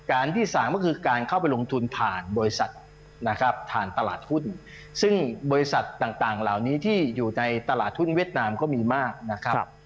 ที่สามก็คือการเข้าไปลงทุนผ่านบริษัทนะครับผ่านตลาดหุ้นซึ่งบริษัทต่างเหล่านี้ที่อยู่ในตลาดหุ้นเวียดนามก็มีมากนะครับ